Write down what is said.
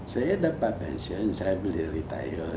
saya dapat pensiun saya boleh retired